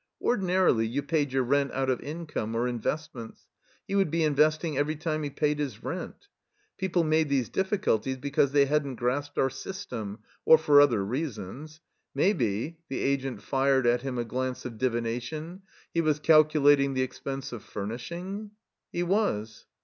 Ordi narily you paid your rent out of income or invest ments. He would be investing every time he paid his rent. People made these difSctdties because they hadn't grasped our system — or for other reasons. Maybe (the Agent fired at him a glance of divination) he was calculating the expense of furnishing? He was.